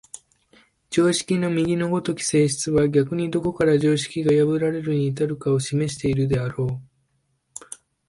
常識の右の如き性質は逆にどこから常識が破られるに至るかを示しているであろう。